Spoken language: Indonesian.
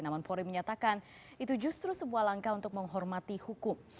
namun polri menyatakan itu justru sebuah langkah untuk menghormati hukum